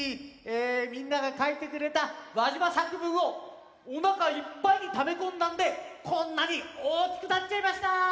みんながかいてくれたわじま作文をおなかいっぱいにためこんだんでこんなにおおきくなっちゃいました！